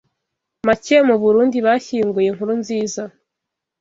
make mu Burundi bashyinguye Nkurunziza